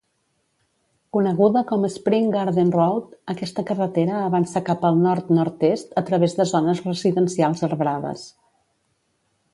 Coneguda com Spring Garden Road, aquesta carretera avança cap al nord-nord-est a través de zones residencials arbrades.